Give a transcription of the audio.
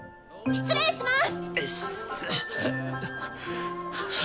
失礼します。